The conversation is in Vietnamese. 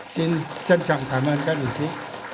xin trân trọng cảm ơn các đồng chí